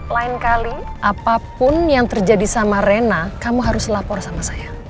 lain kali apapun yang terjadi sama rena kamu harus lapor sama saya